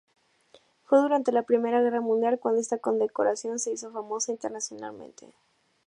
Fue durante la Primera Guerra Mundial cuando esta condecoración se hizo famosa internacionalmente.